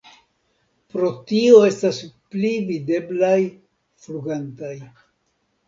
Pro tio estas pli videblaj flugantaj.